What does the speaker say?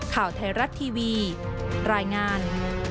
ข่าวไทยรัฐทีวีรายงาน